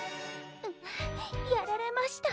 ううやられました。